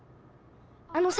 あのさ